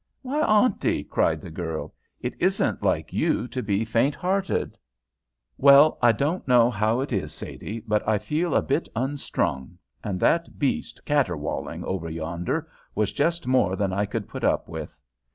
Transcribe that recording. "Why, Auntie," cried the girl, "it isn't like you to be faint hearted." "Well, I don't know how it is, Sadie, but I feel a bit unstrung, and that beast caterwauling over yonder was just more than I could put up with.